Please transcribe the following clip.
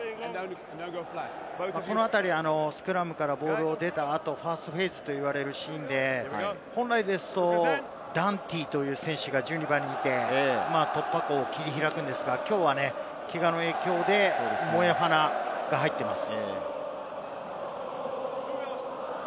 この辺り、スクラムからボールを出たあとファーストフェイズといわれるシーンで、本来ですと、ダンティという選手が１２番にいて突破口を切り開くんですが、きょうはけがの影響でモエファナが入っています。